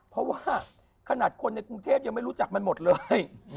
เพราะว่าขนาดคนในกรุงเทพยังไม่รู้จักมันหมดเลย